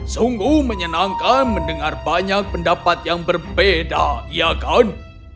sungguh menyenangkan mendengar banyak pendapat yang berbeda iya kan